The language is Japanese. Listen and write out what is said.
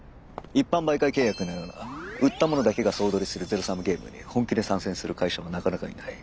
一般媒介契約のような売ったものだけが総取りするゼロサムゲームに本気で参戦する会社はなかなかいない。